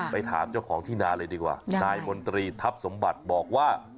ไปถามเจ้าของที่นาเลยดีกว่านายมนตรีทัพสมบัติบอกว่า